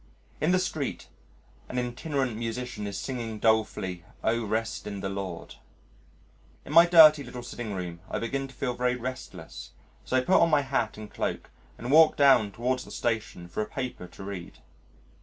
In the street an itinerant musician is singing dolefully, "O Rest in the Lord." In my dirty little sitting room I begin to feel very restless, so put on my hat and cloak and walk down towards the Station for a paper to read.